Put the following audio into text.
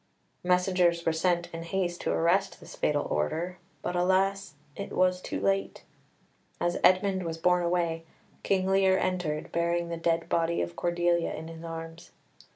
Messengers were sent in haste to arrest this fatal order, but, alas! it was too late. As Edmund was borne away, King Lear entered, bearing the dead body of Cordelia in his arms.